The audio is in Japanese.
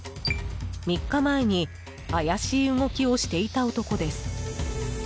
３日前に怪しい動きをしていた男です。